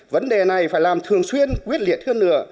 vấn đề này phải làm thường xuyên quyết liệt hơn nữa